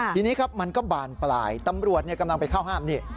ทีนี้ครับมันก็บานปลายตำรวจกำลังไปเข้าห้ามนี่